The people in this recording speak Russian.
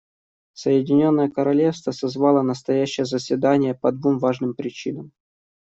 Соединенное Королевство созвало настоящее заседание по двум важным причинам.